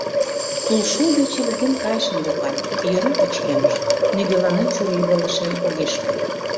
Тулшол гай чеверген кайышым докан, йӧра — пычкемыш, нигӧланат чурийвылышем огеш кой.